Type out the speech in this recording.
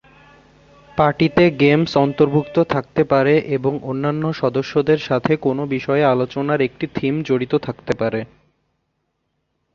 পার্টিতে গেমস অন্তর্ভুক্ত থাকতে পারে এবং অন্য সদস্যদের সাথে কোনও বিষয়ে আলোচনার একটি থিম জড়িত থাকতে পারে।